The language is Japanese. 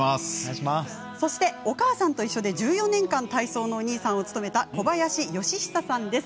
そして「おかあさんといっしょ」で１４年間体操のおにいさんを務めた小林よしひささんです。